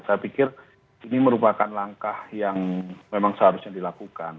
saya pikir ini merupakan langkah yang memang seharusnya dilakukan